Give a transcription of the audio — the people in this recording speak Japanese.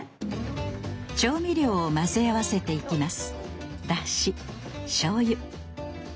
調味料を混ぜ合わせていきます